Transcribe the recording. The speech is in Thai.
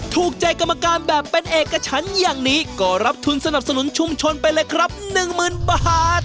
ถูกใจกรรมการแบบเป็นเอกชั้นอย่างนี้ก็รับทุนสนับสนุนชุมชนไปเลยครับ๑๐๐๐บาท